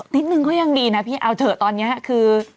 นิดนึงก็ยังดีนะพี่เอาเถอะตอนนี้คือ